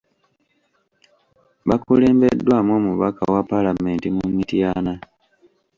Bakulembeddwamu omubaka wa Paalamenti mu Mityana.